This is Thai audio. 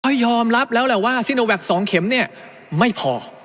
ก็ยอมรับแล้วแหละว่าซิโนแวค๒เข็มเนี่ยไม่พอ